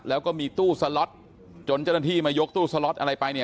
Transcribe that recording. แล้วก็มีตู้สล็อตจนเจ้าหน้าที่มายกตู้สล็อตอะไรไปเนี่ย